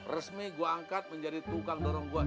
resmi gue angkat menjadi tukang dorong gue